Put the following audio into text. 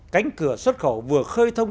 cánh cửa xuất khẩu vừa khơi thông